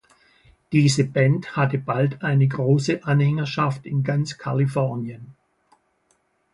Diese Band hatte bald eine große Anhängerschaft in ganz Kalifornien.